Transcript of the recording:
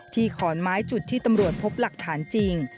ขอนไม้จุดที่ตำรวจพบหลักฐานจริง